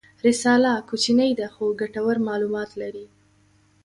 رساله کوچنۍ ده خو ګټور معلومات لري.